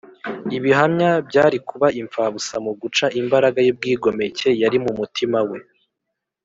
. Ibihamya byari kuba impfabusa mu guca imbaraga y’ubwigomeke yari mu mutima we